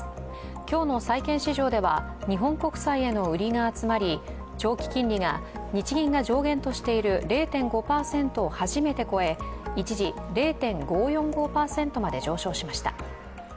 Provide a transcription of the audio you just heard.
今日の債券市場では日本国債への売りが集まり長期金利が日銀が上限としている０．５％を初めて超え、一時０．５４５％まで上昇しました。